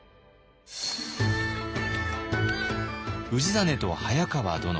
氏真と早川殿。